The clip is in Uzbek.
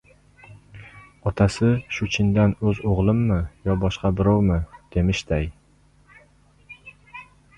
Otasi, shu chindan o‘z o‘g‘limmi, yo, boshqa birovmi, demishday